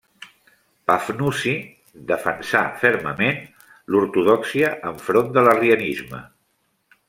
Pafnuci defensà fermament l'ortodòxia enfront de l'arrianisme.